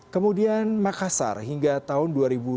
kemudian makassar hingga tahun dua ribu lima puluh delapan